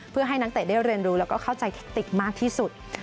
เพื่อให้นักเตะได้เรียนรู้แล้วก็เข้าใจเทคติกมากที่สุด